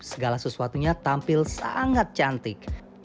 segala sesuatunya tampil sangat cantik